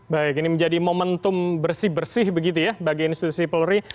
baik ini menjadi momentum bersih bersih begitu ya bagi institusi polri